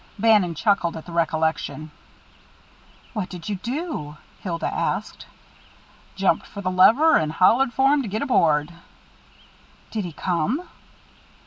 '" Bannon chuckled at the recollection. "What did you do?" Hilda asked. "Jumped for the lever, and hollered for him to get aboard." "Did he come?"